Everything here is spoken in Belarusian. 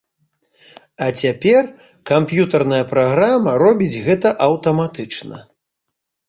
А цяпер камп'ютарная праграма робіць гэта аўтаматычна.